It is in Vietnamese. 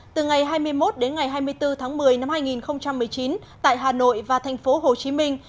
từ ngày hai mươi một đến ngày hai mươi bốn tháng một mươi năm hai nghìn một mươi chín tại hà nội và thành phố hồ chí minh